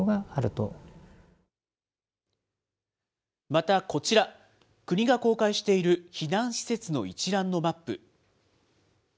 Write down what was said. またこちら、国が公開している避難施設の一覧のマップ。